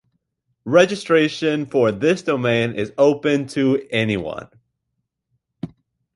Registration for this domain is open to anyone.